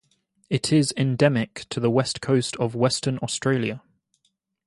It is endemic to the west coast of Western Australia.